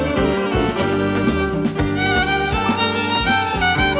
สวัสดีครับ